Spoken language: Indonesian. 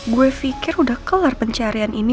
gue pikir udah kelar pencarian ini